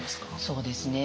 そうですね。